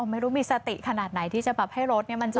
อ่อไม่รู้มีสติขนาดไหนที่จะแบบให้รถเนี่ยมันจะ